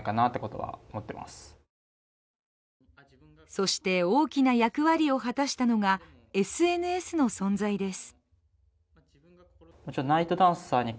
そして、大きな役割を果たしたのがＳＮＳの存在です。